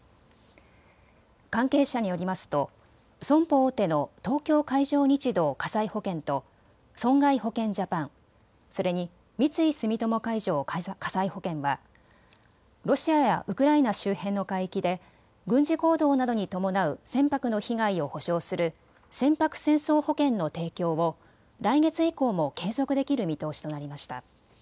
関係者によりますと損保大手の東京海上日動火災保険と損害保険ジャパン、それに三井住友海上火災保険はロシアやウクライナ周辺の海域で軍事行動などに伴う船舶の被害を補償する船舶戦争保険の提供を来月以降も継続できる見通しとなりました。